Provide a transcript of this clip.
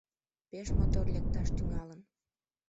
Пеш мотор лекташ тӱҥалын.